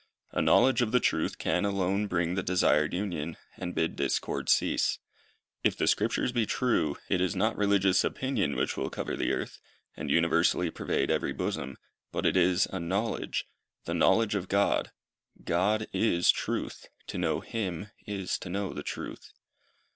A knowledge of the Truth can alone bring the desired union, and bid discord cease. If the Scriptures be true, it is not religious opinion which will cover the earth, and universally pervade every bosom, but it is, a KNOWLEDGE, "The knowledge of God." "God is Truth." To know Him, is to know the Truth.